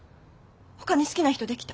ほかに好きな人できた？